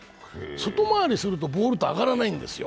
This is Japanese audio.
外回りするとボールって上がらないんですよ。